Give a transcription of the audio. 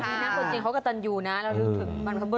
นักฟ้าลิงเขาก็จะอยู่นะแล้วถึงบรรพบรุษ